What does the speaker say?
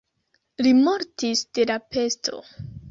Li mortis de la pesto.